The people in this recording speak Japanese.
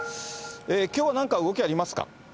きょうはなんか動きありますか？